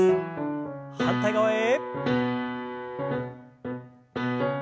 反対側へ。